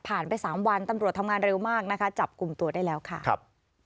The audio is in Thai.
ไปสามวันตำรวจทำงานเร็วมากนะคะจับกลุ่มตัวได้แล้วค่ะครับ